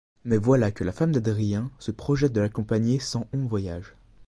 Mais voilà que la femme d'Adrien se projette de l'accompagner sans on voyage.